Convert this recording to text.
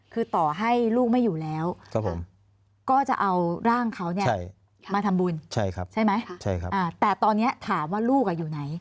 คือต่อให้ลูกไม่อยู่แล้วก็จะเอาร่างเขามาทำบุญใช่ไหมแต่ตอนนี้ถามว่าลูกอยู่ไหน